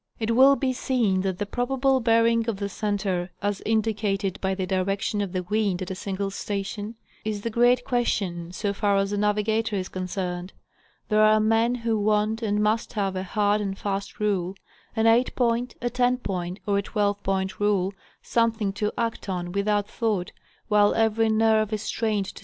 It will be seen that the probable bearing of the center, as indi cated by the direction of the wind at a single station, is the great question, so far as the navigator is concerned. There are men who want and must have a hard and fast rule,—an 8 point, a 10 point, or a 12 point rule—something to act on without thought, while every nerve is strained to.